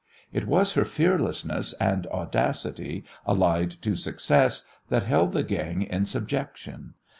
It was her fearlessness and audacity allied to success that held the gang in subjection.